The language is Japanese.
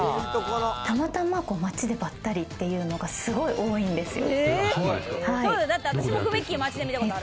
たまたま街でばったりっていうのがすごい多いんですよ。